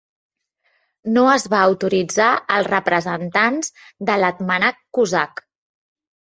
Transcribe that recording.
No es va autoritzar als representants de l'Hetmanat cosac.